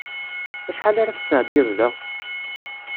Acḥal ara tesɛeddiḍ da?